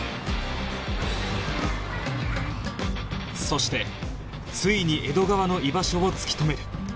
そしてついに江戸川の居場所を突き止める